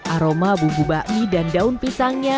aroma bumbu bakmi dan daun pisangnya